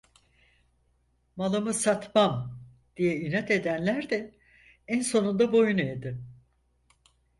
Malımı satmam! diye inat edenler de en sonunda boyun eğdi.